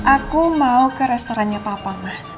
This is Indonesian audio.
aku mau ke restorannya papa